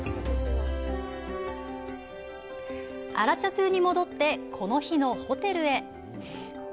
アラチャトゥに戻ってこの日のホテルへ。